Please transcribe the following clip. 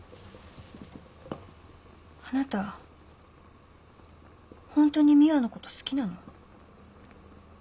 あなたホントに美羽のこと好きなの？